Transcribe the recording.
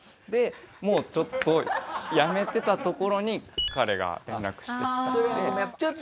もうちょっとやめてたところに彼が連絡してきて。